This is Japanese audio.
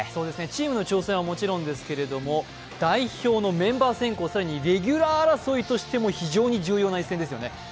チームの調整はもちろんですけれども代表のメンバー選考、更にレギュラー争いとしても、非常に重要な一戦ですよね。